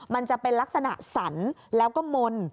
มันจะเป็นลักษณะสรรแล้วก็มนต์